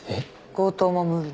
強盗も無理。